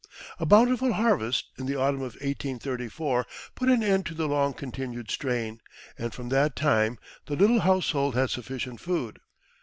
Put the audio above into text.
A bountiful harvest, in the autumn of 1834, put an end to the long continued strain, and from that time the little household had sufficient food.